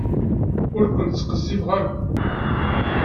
Ur ken-ttqezzibeɣ ara.